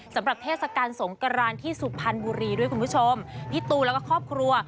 เทศกาลสงกรานที่สุพรรณบุรีด้วยคุณผู้ชมพี่ตูนแล้วก็ครอบครัว